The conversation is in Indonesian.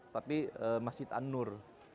tapi masjid an nur